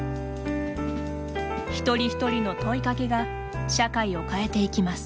一人一人の問いかけが社会を変えていきます。